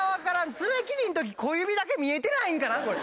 爪切りの時小指だけ見えてないんかなこれ。